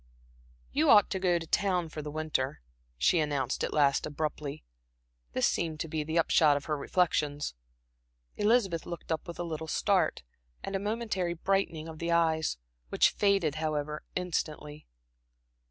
"You ought to go to town for the winter," she announced at last abruptly. This seemed to be the upshot of her reflections. Elizabeth looked up with a little start, and a momentary brightening of the eyes, which faded, however, instantly.